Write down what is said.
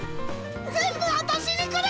全部私にくる！